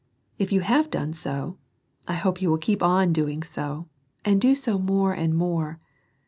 If you have done so, I hope you will keep on doing so, and do so more and more.